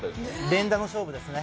連打の勝負ですね。